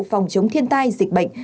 phòng chống thiên tai dịch bệnh